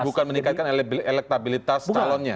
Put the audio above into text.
bukan meningkatkan elektabilitas calonnya